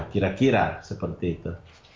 kira kira seperti itu